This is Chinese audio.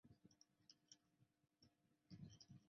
常和驯鹿混淆。